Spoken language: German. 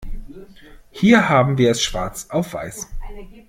Hier haben wir es schwarz auf weiß.